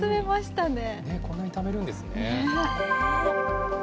こんなにためるんですね。